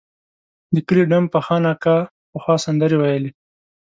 د کلي ډم فخان اکا پخوا سندرې ویلې.